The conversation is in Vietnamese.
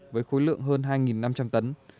với khối lượng hơn hai năm trăm linh tấn